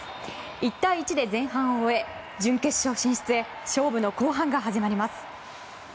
１対１で前半を終え準決勝進出へ勝負の後半が始まります。